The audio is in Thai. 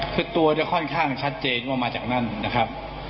คือตัวจะค่อนข้างชัดเจนว่ามาจากนั่นนะครับ